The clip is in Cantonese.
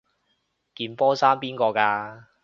件波衫邊個㗎？